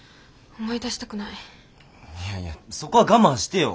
いやいやそこは我慢してよ。